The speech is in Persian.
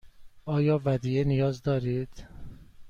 آیا ودیعه نیاز دارید؟